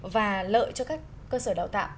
và lợi cho các cơ sở đào tạo